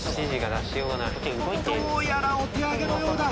どうやらお手上げのようだ。